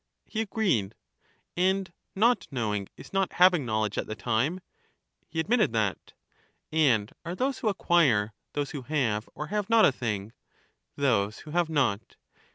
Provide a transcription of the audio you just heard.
He agreed. And not knowing is not having knowledge at the time? He admitted that. And are those who acquire those who have or have not a thing? Those who have not.